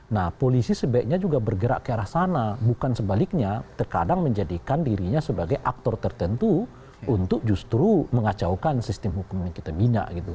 nah polisi sebaiknya juga bergerak ke arah sana bukan sebaliknya terkadang menjadikan dirinya sebagai aktor tertentu untuk justru mengacaukan sistem hukum yang kita bina gitu